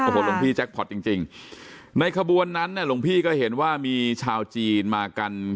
โอ้โหหลวงพี่แจ็คพอร์ตจริงจริงในขบวนนั้นเนี่ยหลวงพี่ก็เห็นว่ามีชาวจีนมากัน